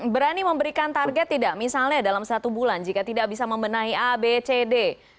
berani memberikan target tidak misalnya dalam satu bulan jika tidak bisa membenahi a b c d